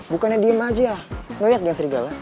bukannya diem aja ngeliat dia serigala